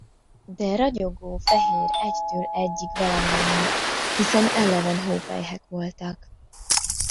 De ragyogó fehér egytől egyik valamennyi, hiszen eleven hópelyhek voltak.